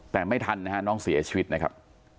แต่ไม่ทันนะฮะน้องเสียชีวิตนะครับ